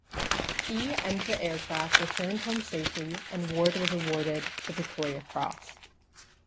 He and the aircraft returned home safely and Ward was awarded the Victoria Cross.